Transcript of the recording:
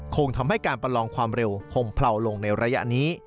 คงทำให้การประลองความเร็วคมเผลาลงในระยะนี้